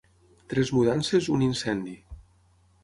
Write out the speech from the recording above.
Tres mudances, un incendi.